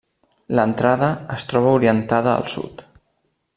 L'entrada es troba orientada al sud.